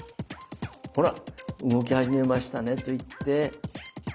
「ほら動き始めましたね」と言って。